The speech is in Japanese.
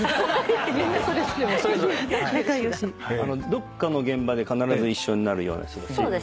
どっかの現場で必ず一緒になるような人たち。